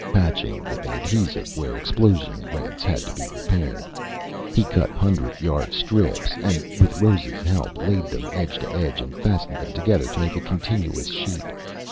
Patching with an adhesive where explosion rents had to be repaired, he cut hundred yard strips, and, with Rose's help, laid them edge to edge and fastened them together to make a continuous sheet.